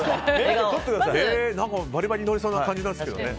バリバリ乗りそうな感じですけどね。